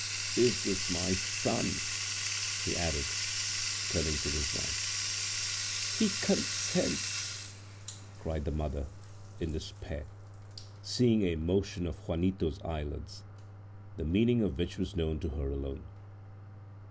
Is this my son?" he added, turning to his wife. "He consents!" cried the mother, in despair, seeing a motion of Juanito's eyelids, the meaning of which was known to her alone.